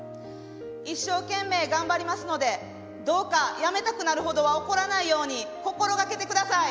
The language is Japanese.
「一生懸命頑張りますのでどうかやめたくなるほどは怒らないように心がけて下さい」。